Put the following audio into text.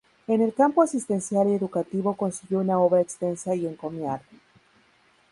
En el campo asistencial y educativo consiguió una obra extensa y encomiable.